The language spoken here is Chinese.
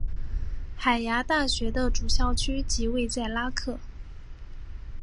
海牙大学的主校区即位在拉克。